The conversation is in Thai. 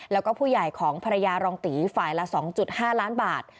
แล้วก็ผู้ใหญ่ของภรรยารองตีฝ่ายละ๒๕ล้านบาท